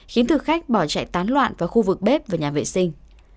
khiến thực khách bỏ chạy tán loạn vào khu vực bếp và nhà vệ sinh